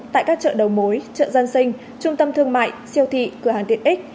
tại các chợ đầu mối chợ dân sinh trung tâm thương mại siêu thị cửa hàng tiện ích